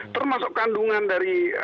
termasuk kandungan dari